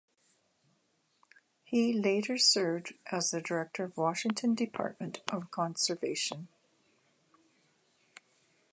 He later served as the director of the Washington Department of Conservation.